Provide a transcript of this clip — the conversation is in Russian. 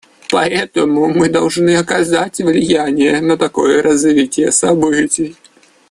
Поэтому мы должны оказать влияние на такое развитие событий.